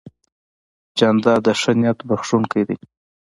جانداد د ښه نیت بښونکی دی.